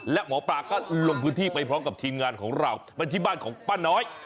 และหมอปลาก็ลงพื้นที่ไปพร้อมกับทีมงานของเราไปที่บ้านของป้าน้อย